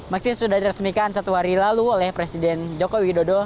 masjid sudah diresmikan satu hari lalu oleh presiden joko widodo